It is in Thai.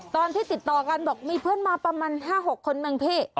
ตอนที่ติดต่อกันบอกมีเพื่อนมาประมาณ๕๖คนมั้งพี่